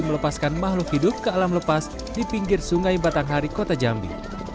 melepaskan makhluk hidup ke alam lepas di pinggir sungai batanghari kota jambi